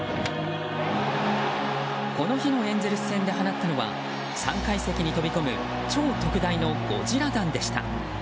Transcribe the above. この日のエンゼルス戦で放ったのは３階席に飛び込む超特大のゴジラ弾でした。